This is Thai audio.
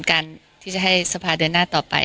การที่จะให้สภาเดินหน้าต่อไป